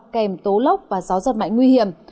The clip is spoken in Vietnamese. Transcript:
kèm tố lốc và gió giật mạnh nguy hiểm